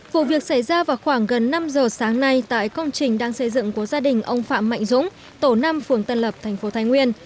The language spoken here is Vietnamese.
vụ việc xảy ra vào khoảng gần năm giờ sáng nay tại công trình đang xây dựng của gia đình ông phạm mạnh dũng tổ năm phường tân lập thành phố thái nguyên